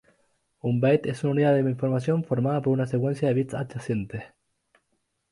Un "byte" es una unidad de información formada por una secuencia de bits adyacentes.